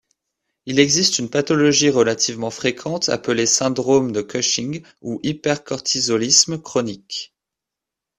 Il existe une pathologie relativement fréquente appelée syndrome de Cushing ou hypercortisolisme chronique.